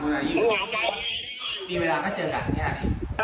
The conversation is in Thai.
มันต้องถามความสงบสนุนใจความสนุนใจของเค้ามั้ยว่าอีกวันนี้โอเคมั้ย